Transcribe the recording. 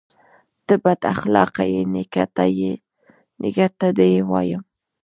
_ته بد اخلاقه يې، نيکه ته دې وايم.